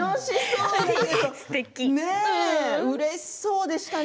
うれしそうでしたね